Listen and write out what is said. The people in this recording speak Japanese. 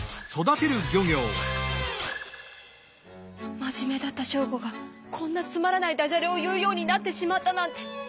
まじめだったショーゴがこんなつまらないダジャレを言うようになってしまったなんて。